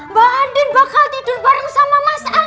mbak andin bakal tidur bareng sama mas al mas